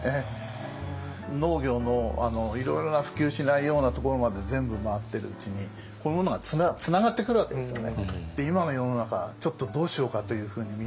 農業のいろいろな普及しないようなところまで全部回ってるうちにこういうものがつながってくるわけですよね。